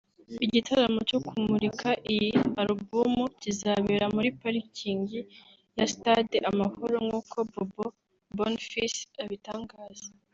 Igitaramo cyo kumurika iyi alubumu kizabera muri parikingi ya Stade amahoro nk’uko Bobo Bonfils abitangaza